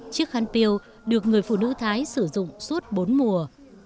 chiếc khăn piêu được người phụ nữ thái sử dụng suốt bốn mùa